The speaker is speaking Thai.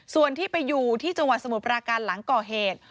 ส่วนที่ไปอยู่ที่จังหวัดสมุทรปราการหลังก่อเหตุ